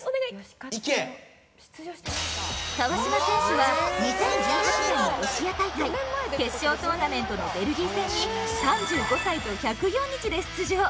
川島選手は２０１８年のロシア大会決勝トーナメントのベルギー戦に３５歳と１０４日で出場。